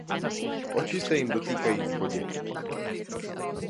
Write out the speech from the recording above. Očí se jím dotýkají v bodě.